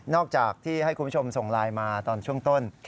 อกจากที่ให้คุณผู้ชมส่งไลน์มาตอนช่วงต้น